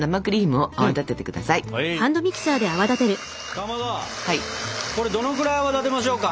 かまどこれどのぐらい泡立てましょうか？